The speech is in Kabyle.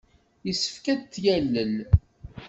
Yessefk ad t-yalel.